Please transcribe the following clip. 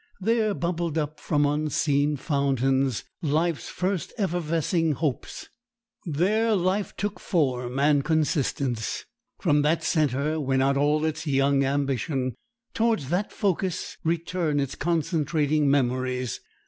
There bubbled up, from unseen fountains, life's first effervescing hopes. There life took form and consistence. From that center went out all its young ambition. Towards that focus return its concentrating memories.